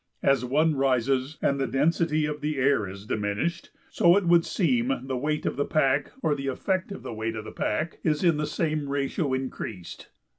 As one rises and the density of the air is diminished, so, it would seem, the weight of the pack or the effect of the weight of the pack is in the same ratio increased.